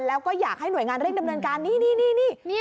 แล้วก็อยากให้หน่วยงานเร่งดำเนินการนี่